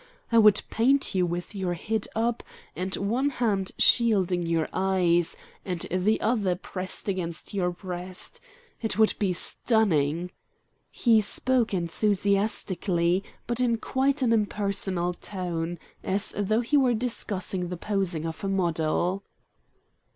I would paint you with your head up and one hand shielding your eyes, and the other pressed against your breast. It would be stunning." He spoke enthusiastically, but in quite an impersonal tone, as though he were discussing the posing of a model.